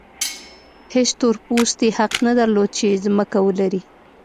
هېڅ تور پوستي حق نه درلود چې ځمکه ولري.